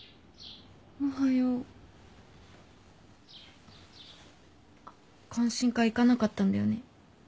おはよう。あっ懇親会行かなかったんだよね？